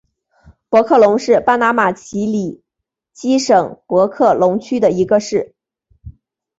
博克龙是巴拿马奇里基省博克龙区的一个市。